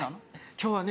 今日はね